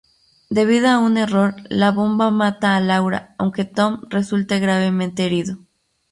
Debido a un error, la bomba mata a Laura, aunque Tom resulte gravemente herido.